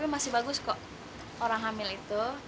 masih bagus kok orang hamil itu